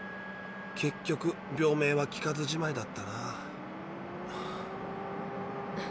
結局病名は聞かずじまいだったな。